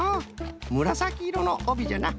むらさきいろのおびじゃな。